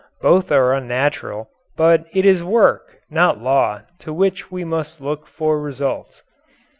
Both are unnatural, but it is work, not law, to which we must look for results.